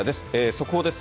速報です。